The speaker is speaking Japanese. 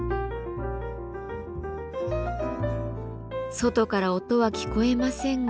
外から音は聞こえませんが。